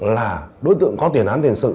là đối tượng có tiền án tiền sự